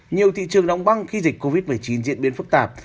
nhiều thị trường đóng băng khi dịch covid một mươi chín diễn biến phức tạp